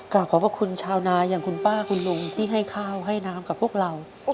ขอบพระคุณชาวนาอย่างคุณป้าคุณลุงที่ให้ข้าวให้น้ำกับพวกเรา